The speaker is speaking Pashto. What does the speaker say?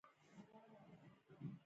سهار د خوشبینۍ بڼ جوړوي.